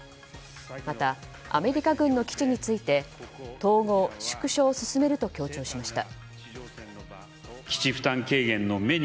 また、アメリカ軍の基地について統合・縮小を進めると強調しました。